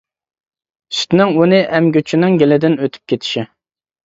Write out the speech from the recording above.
سۈتنىڭ ئۇنى ئەمگۈچىنىڭ گېلىدىن ئۆتۈپ كېتىشى.